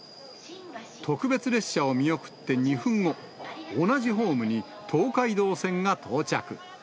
特別列車を見送って２分後、同じホームに東海道線が到着。